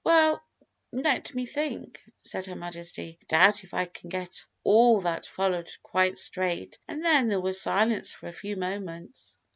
"Well, let me think," said her Majesty. "I doubt if I can get all that followed quite straight and then there was silence for a few moments.